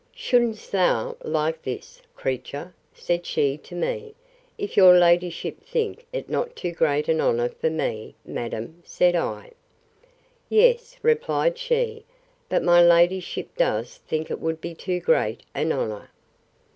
Should'st thou like this, creature? said she to me.—If your ladyship think it not too great an honour for me, madam, said I. Yes, replied she, but my ladyship does think it would be too great an honour.